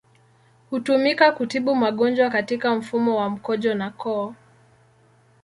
Hutumika kutibu magonjwa katika mfumo wa mkojo na koo.